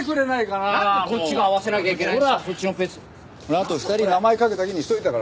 あと２人名前書くだけにしといたからさ。